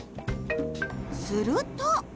すると。